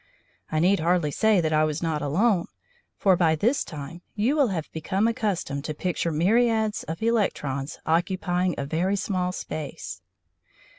I need hardly say that I was not alone, for by this time you will have become accustomed to picture myriads of electrons occupying a very small space.